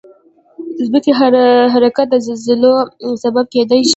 د ځمکې حرکت د زلزلو سبب کېدای شي.